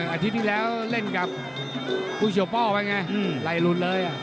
อาทิตย์ที่แล้วเล่นกับกุชโยโป้ไปไงไลลุนเลยอ่ะ